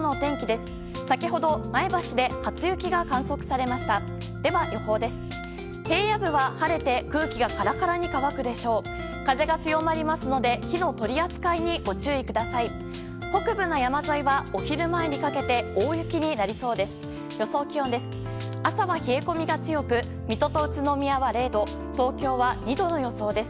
北部の山沿いは、昼前にかけて大雪になりそうです。